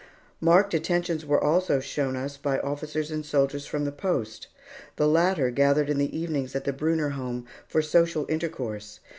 Marked attentions were also shown us by officers and soldiers from the post. The latter gathered in the evenings at the Brunner home for social intercourse.